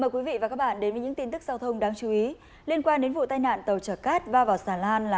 trong phần tiếp theo của bản tin liên quan đến vụ tai nạn tàu trở cát va vào xà lan tại bình dương